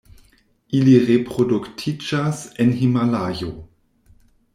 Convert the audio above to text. Ili reproduktiĝas en Himalajo.